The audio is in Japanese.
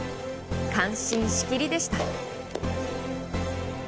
感心しきりでした。